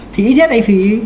thì ít nhất anh phải